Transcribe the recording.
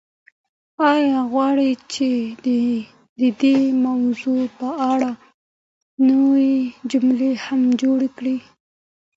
ایا غواړئ چې د دې موضوع په اړه نورې جملې هم جوړې کړم؟